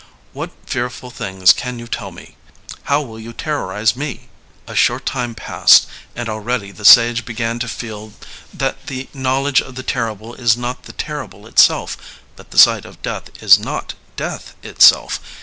'What fearful things can you tell mef How will you terrorize met' ''A short time passed, and already the sage began to feel that the Imowledge of the terrible is not the terrible itself, that the sight of death is not death itself.